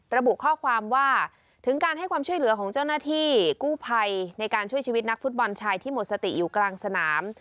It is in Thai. ระบุข้อความว่าถึงการให้ความช่วยเหลือของเจ้าหน้าที่กู้ภัยในการช่วยชีวิตนักฟุตบอลชายที่หมดสติอยู่กลางสนาม